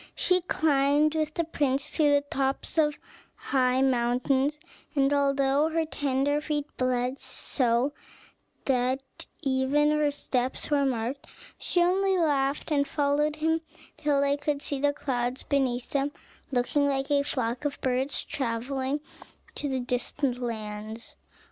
She climbed with the prince to the tops of high mountains; and although her tender feet bled so that even her steps were marked, she only laughed, and followed him till they could see the clouds beneath them looking like a flock of birds travelling to distant lands.